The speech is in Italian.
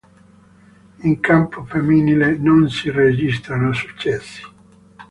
In campo femminile non si registrano successi.